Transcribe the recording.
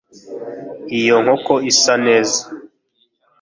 iyo nkoko isa neza